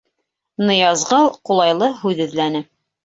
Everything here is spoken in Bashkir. — Ныязғол ҡулайлы һүҙ эҙләне.